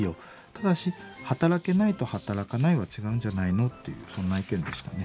ただし働けないと働かないは違うんじゃないの」というそんな意見でしたね。